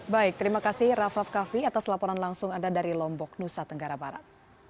baik terima kasih raff raff kaffi atas laporan langsung anda dari lombok nusa tenggara barat